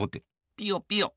ピヨピヨ。